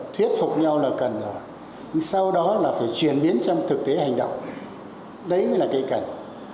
thuyết phục nhau là cần rồi sau đó là phải chuyển biến trong thực tế hành động đấy mới là cây cảnh